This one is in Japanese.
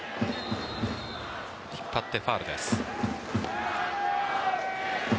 引っ張ってファウルです。